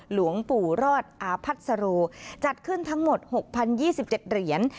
หลวงปู่รอดอาพัทธรโรจัดขึ้นทั้งหมดหกพันยี่สิบเจ็ดเหรียญ